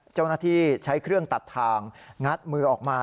เจ้าหน้าที่ใช้เครื่องตัดทางงัดมือออกมา